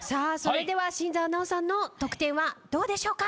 では新澤菜央さんの得点はどうでしょうか？